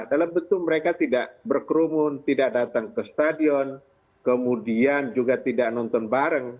dalam bentuk mereka tidak berkerumun tidak datang ke stadion kemudian juga tidak nonton bareng